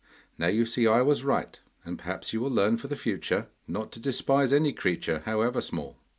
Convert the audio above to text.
Now you see I was right, and perhaps you will learn for the future not to despise any creature, however small.